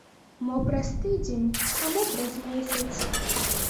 Мо праз тыдзень, а мо праз месяц.